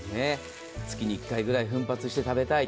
月に１回ぐらい奮発して食べたい。